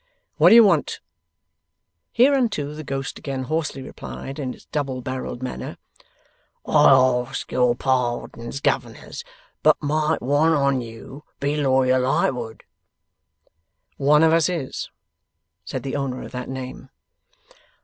'What do you want?' Hereunto the ghost again hoarsely replied, in its double barrelled manner, 'I ask your pardons, Governors, but might one on you be Lawyer Lightwood?' 'One of us is,' said the owner of that name.